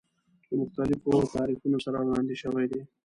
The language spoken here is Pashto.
له مختلفو تعریفونو سره وړاندې شوی دی.